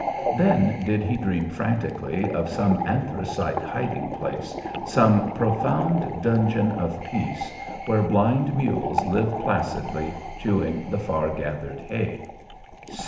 Then did he dream frantically of some anthracite hiding place, some profound dungeon of peace where blind mules live placidly chewing the far gathered hay.